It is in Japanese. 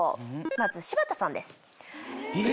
まず柴田さんです。